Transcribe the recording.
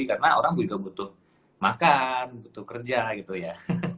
karena orang juga butuh makan butuh kerja gitu ya